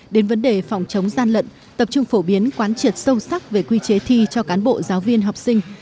đến vấn đề phòng chống gian lận tập trung phổ biến quán triệt sâu sắc về quy chế thi cho cán bộ giáo viên học sinh